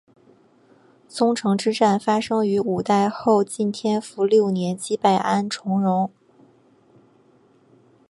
宗城之战发生于五代后晋天福六年击败安重荣。